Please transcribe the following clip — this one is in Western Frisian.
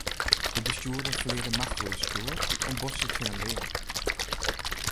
De bestjoerder ferlear de macht oer it stjoer en botste tsjin in beam.